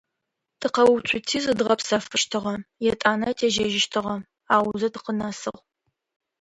Тыкъэуцути зыдгъэпсэфыщтыгъэ, етӏанэ тежьэжьыщтыгъэ, аузэ тыкъынэсыгъ.